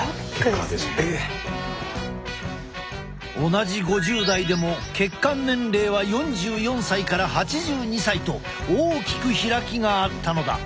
同じ５０代でも血管年齢は４４歳から８２歳と大きく開きがあったのだ。